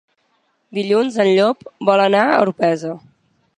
Dilluns en Llop vol anar a Orpesa.